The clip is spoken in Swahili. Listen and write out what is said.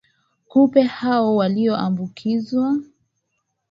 kupe hao walioambukizwa